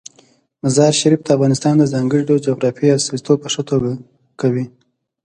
مزارشریف د افغانستان د ځانګړي ډول جغرافیې استازیتوب په ښه توګه کوي.